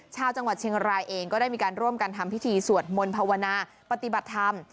ชาวจังหวัดเชียงรายเองก็ได้มีการร่วมกันทำพิธีสวดมนต์ภาวนาปฏิบัติธรรม